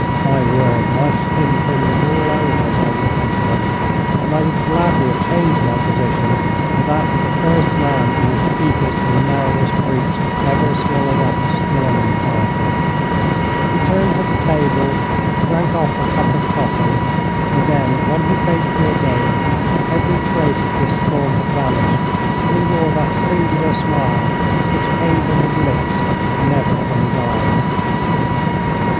My word, my skin pringled all over as I listened to him, and I would gladly have changed my position for that of the first man in the steepest and narrowest breach that ever swallowed up a storming party. He turned to the table, drank off a cup of coffee, and then when he faced me again every trace of this storm had vanished, and he wore that singular smile which came from his lips but never from his eyes.